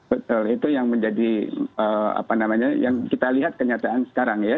betul itu yang menjadi apa namanya yang kita lihat kenyataan sekarang ya